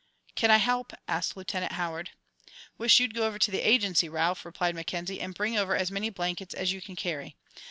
"Can I help?" asked Lieutenant Howard. "Wish you'd go over to the Agency, Ralph," replied Mackenzie, "and bring over as many blankets as you can carry.